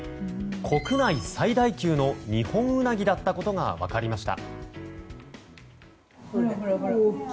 国内最大級のニホンウナギだったことが分かりました。